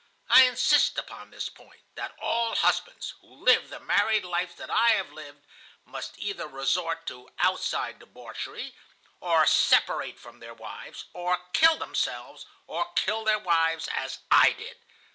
I insist upon this point,—that all husbands who live the married life that I lived must either resort to outside debauchery, or separate from their wives, or kill themselves, or kill their wives as I did.